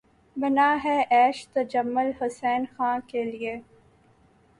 بنا ہے عیش تجمل حسین خاں کے لیے